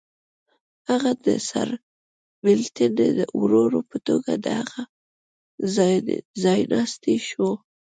هغه د سرمیلټن د ورور په توګه د هغه ځایناستی شو.